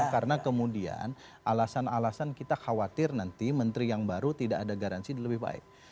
karena kemudian alasan alasan kita khawatir nanti menteri yang baru tidak ada garansi lebih baik